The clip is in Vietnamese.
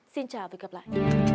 xin chào và hẹn gặp lại